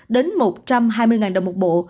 đến một trăm linh đồng một bộ